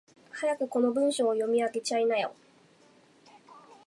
早くこの文章を読み上げちゃいなよ。